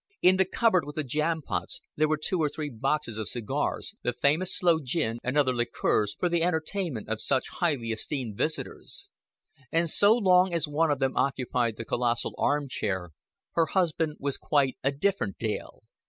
In the cupboard with the jam pots, there were two or three boxes of cigars, the famous sloe gin, and other liqueurs, for the entertainment of such highly esteemed visitors; and so long as one of them occupied the colossal armchair, her husband was quite a different Dale.